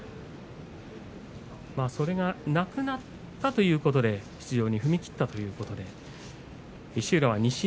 それがなくなったということで出場に踏み切ったという石浦です。